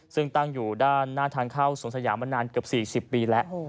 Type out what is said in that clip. ซึ่งตั้งอยู่ด้านหน้าทางเข้าสวนสยามมานานเกือบ๔๐ปีแล้ว